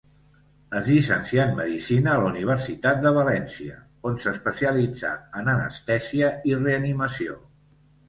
Es llicencià en medicina a la Universitat de València, on s'especialitzà en anestèsia i reanimació.